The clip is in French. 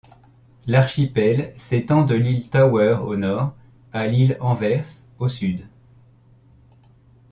L'archipel s'étend de l'île Tower au nord à l'île Anvers au sud.